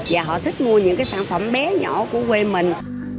và họ thích mua những cái sản phẩm bé nhỏ của quê mình